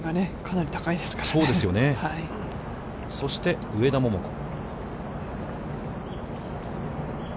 そして上田桃子。